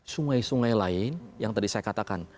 sungai sungai lain yang tadi saya katakan